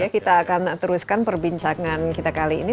kita akan teruskan perbincangan kita kali ini